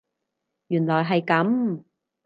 原來係噉